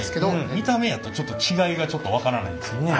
見た目やとちょっと違いがちょっと分からないんですけど。